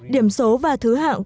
điểm số và thứ hạng